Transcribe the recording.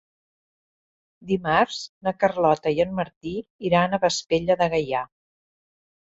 Dimarts na Carlota i en Martí iran a Vespella de Gaià.